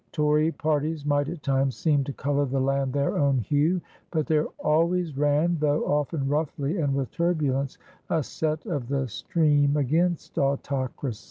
Tory parties might at times seem to color the land their own hue. But there always ran, though often roughly and with turbulence, a set of the stream against autocracy.